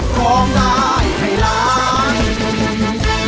ร้องได้ให้ล้าน